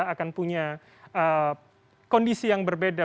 akan punya kondisi yang berbeda